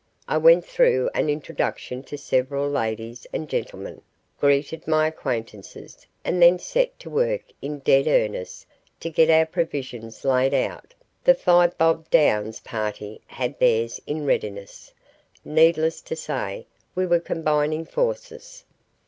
I went through an introduction to several ladies and gentlemen, greeted my acquaintances, and then set to work in dead earnest to get our provisions laid out the Five Bob Downs party had theirs in readiness. Needless to say, we were combining forces.